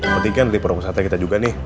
penting kan dari perusahaan kita juga nih